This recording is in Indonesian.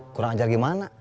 kurang ajar gimana